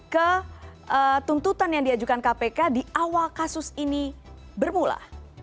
ke tuntutan yang diajukan kpk di awal kasus ini bermula